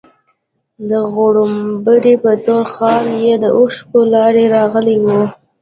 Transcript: د غومبري په تور خال يې د اوښکو لاره راغلې وه.